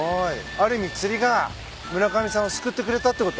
ある意味釣りが村上さんを救ってくれたってこと？